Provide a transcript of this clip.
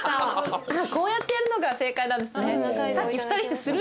こうやってやるのが正解なんですね。